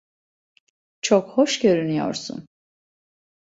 Çok hoş görünüyorsun.